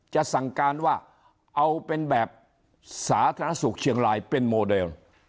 สั่งการว่าเอาเป็นแบบสาธารณสุขเชียงรายเป็นโมเดล